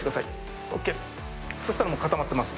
そしたらもう固まってます。